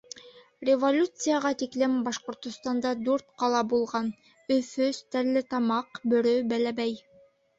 Революцияға тиклем Башҡортостанда дүрт ҡала булған: Өфө, Стәрлетамаҡ, Бөрө, Бәләбәй.